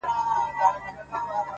• ډك د ميو جام مي د زړه ور مــات كړ،